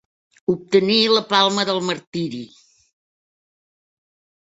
Obtenir la palma del martiri.